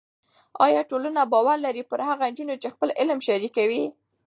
ایا ټولنه باور لري پر هغو نجونو چې خپل علم شریکوي؟